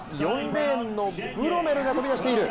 ４レーンのブロメルが飛び出している。